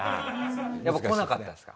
やっぱ来なかったですか？